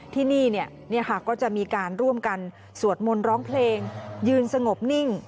ที่นี่ก็จะมีการร่วมกันสวดมนต์ร้องเพลงยืนสงบนิ่ง